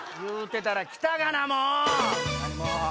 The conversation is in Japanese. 言うてたら来たがなもう！